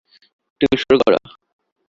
তুমি শুরু করো।